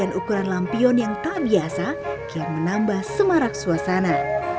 dan ukuran lampion yang tak biasa kaya menambah semarak suasana